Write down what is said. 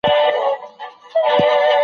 په کور کي د زده کړي پر مهال ستونزې نه جوړېږي.